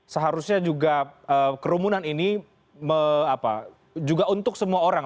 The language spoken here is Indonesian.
seharusnya juga kerumunan ini juga untuk semua orang